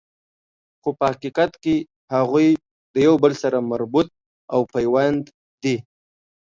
خو په حقیقت کی هغوی یو د بل سره مربوط او پیوند دي